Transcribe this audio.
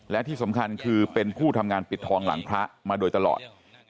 และที่สำคัญคือเป็นผู้ทำงานปิดทองหลังพระมาโดยตลอด